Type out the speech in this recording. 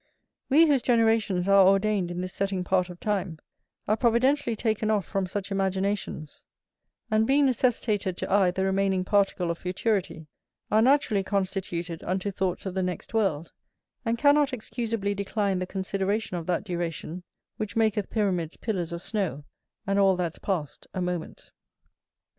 We whose generations are ordained in this setting part of time, are providentially taken off from such imaginations; and, being necessitated to eye the remaining particle of futurity, are naturally constituted unto thoughts of the next world, and cannot excusably decline the consideration of that duration, which maketh pyramids pillars of snow, and all that's past a moment.